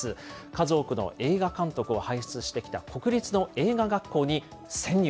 数多くの映画監督を輩出してきた国立の映画学校に潜入。